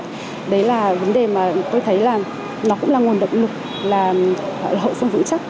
đấy là vấn đề mà tôi thấy là nó cũng là nguồn động lực là hội phương vững chắc